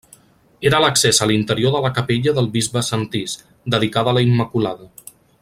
Era l'accés a l'interior de la capella del bisbe Sentís, dedicada a la Immaculada.